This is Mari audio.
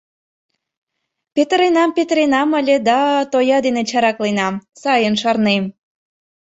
— Петыренам, петыренам ыле да тоя дене чаракленам, сайын шарнем!